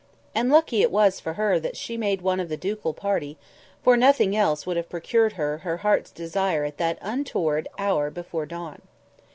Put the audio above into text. And lucky it was for her that she made one of the ducal party, for nothing else would have procured her her heart's desire at that untoward hour before dawn.